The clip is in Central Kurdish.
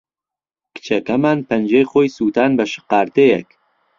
کچەکەمان پەنجەی خۆی سووتاند بە شقارتەیەک.